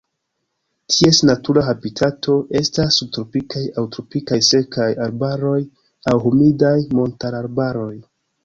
Ties natura habitato estas subtropikaj aŭ tropikaj sekaj arbaroj aŭ humidaj montararbaroj.